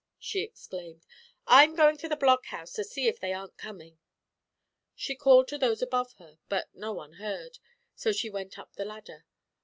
she exclaimed. "I'm going to the blockhouse to see if they aren't coming!" She called to those above her, but no one heard, so she went up the ladder.